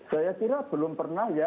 saya kira belum pernah ya